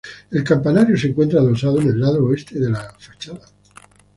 El campanario se encuentra adosado en el lado oeste de la fachada.